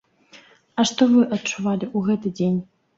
А што вы адчувалі ў гэты дзень?